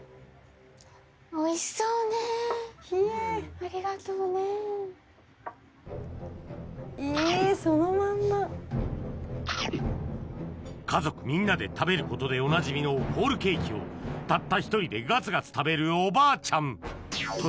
ありがとうね家族みんなで食べることでおなじみのホールケーキをたった一人でガツガツ食べるおばあちゃん